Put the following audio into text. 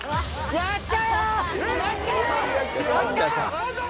やった！